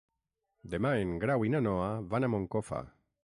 Demà en Grau i na Noa van a Moncofa.